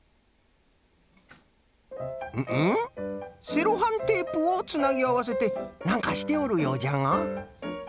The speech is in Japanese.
セロハンテープをつなぎあわせてなんかしておるようじゃが。